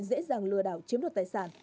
dễ dàng lừa đảo chiếm được tài sản